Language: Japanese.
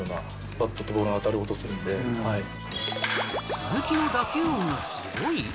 鈴木の打球音がすごい？